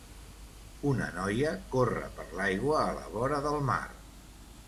Una noia corre per l'aigua a la vora del mar.